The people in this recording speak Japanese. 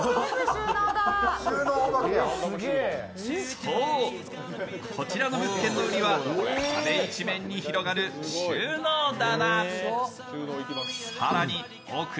そう、こちらの物件の売りは壁一面に広がる収納棚。